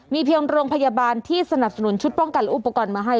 มีเพียงโรงพยาบาลที่สนับสนุนชุดป้องกันและอุปกรณ์มาให้